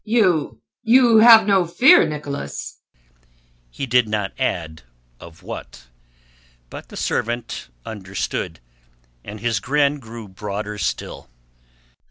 "You... you have no fear, Nicholas...." He did not add of what. But the servant understood, and his grin grew broader still.